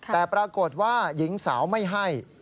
แต่ปรากฏว่าหญิงสาวไม่ให้